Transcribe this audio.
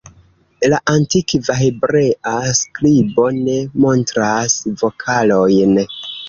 La antikva hebrea skribo ne montras vokalojn.